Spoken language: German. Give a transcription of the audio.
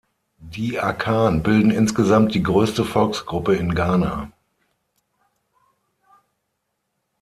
Die Akan bilden insgesamt die größte Volksgruppe in Ghana.